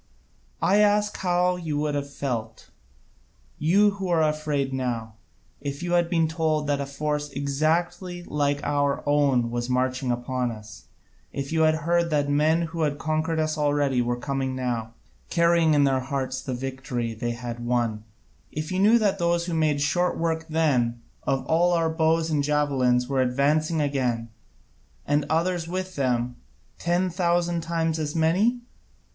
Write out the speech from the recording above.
I ask you how you would have felt, you who are afraid now, if you had been told that a force exactly like our own was marching upon us, if you had heard that men who had conquered us already were coming now, carrying in their hearts the victory they had won, if you knew that those who made short work then of all our bows and javelins were advancing again, and others with them, ten thousand times as many?